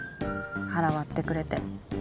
腹割ってくれて。